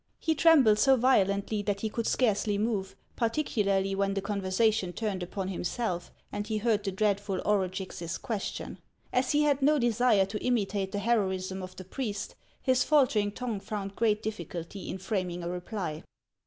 He trembled so violently that he could scarcely move, particularly when the conversation turned upon himself, and he heard the dreadful Orugix's question. As he had no desire to imitate the heroism of the priest, his faltering tongue found great difficulty in framing a reply.